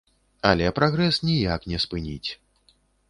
Але прагрэс ніяк не спыніць.